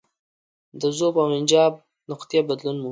د ذوب او انجماد نقطې بدلون مومي.